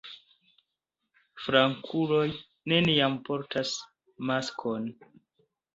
Flankuloj neniam portas maskon.